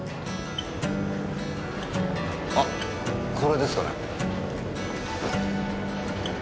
あっこれですかね。